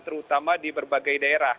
terutama di berbagai daerah